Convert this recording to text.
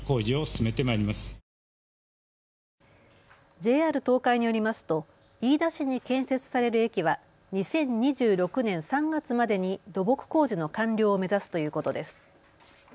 ＪＲ東海によりますと飯田市に建設される駅は２０２６年３月までに土木工事の完了を目指すということです。